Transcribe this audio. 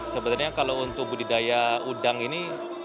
sebenarnya kalau untuk budidaya udang ini